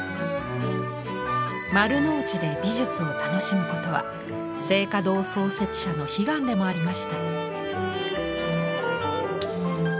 丸の内で美術を楽しむことは静嘉堂創設者の悲願でもありました。